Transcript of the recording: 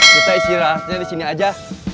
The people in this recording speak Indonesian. kita istirahatnya di sini aja